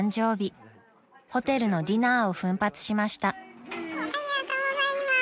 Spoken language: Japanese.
［ホテルのディナーを奮発しました］